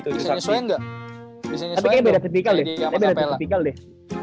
tapi kayaknya beda tipikal deh